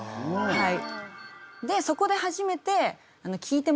はい。